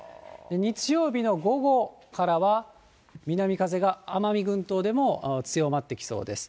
日曜日の午後からは南風が奄美群島でも強まってきそうです。